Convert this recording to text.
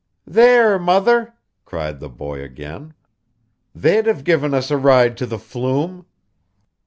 'There, mother!' cried the boy, again. 'They'd have given us a ride to the Flume.